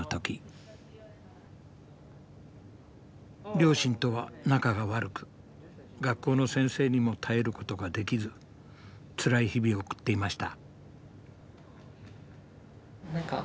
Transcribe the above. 両親とは仲が悪く学校の先生にも頼ることもできずつらい日々を送っていました。